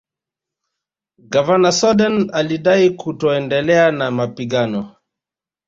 Gavana Soden alidai kutoendelea na mapigano